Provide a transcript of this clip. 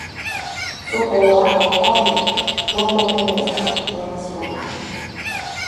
Super la altaro ronda fenestro donas lumon.